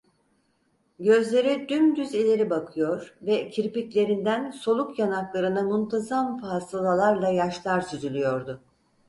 Gözleri dümdüz ileri bakıyor ve kirpiklerinden soluk yanaklarına muntazam fasılalarla yaşlar süzülüyordu.